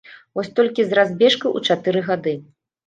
Вось толькі з разбежкай у чатыры гады.